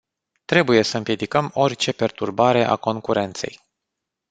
Trebuie să împiedicăm orice perturbare a concurenței.